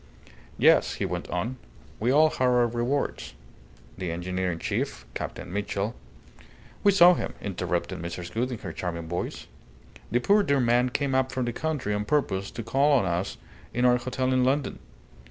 "Yes," he went on. "We all had our rewards the engineer in chief, Captain Mitchell " "We saw him," interrupted Mrs. Gould, in her charming voice. "The poor dear man came up from the country on purpose to call on us in our hotel in London.